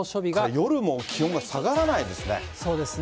夜も気温が下がらないですね。